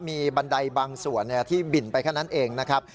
มีบันไดบางส่วนที่บิ่นไปแค่นั้นเองนะครับ